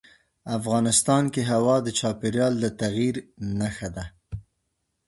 افغانستان کې هوا د چاپېریال د تغیر نښه ده.